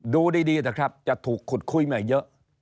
ดูดีนะครับจะถูกขุดคุยมาเยอะ